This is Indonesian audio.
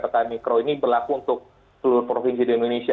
karena tadi kita lihat bahwa ini berlaku untuk seluruh provinsi di indonesia